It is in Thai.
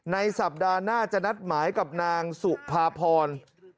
ในสัปดาห์หน้าจะนัดหมายกับนางสุภาพร